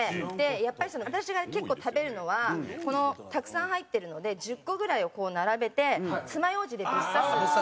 やっぱりその私が結構食べるのはこのたくさん入ってるので１０個ぐらいをこう並べてつまようじでぶっ刺す。